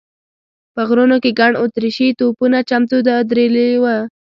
په غرونو کې ګڼ اتریشي توپونه چمتو ودرېدلي و.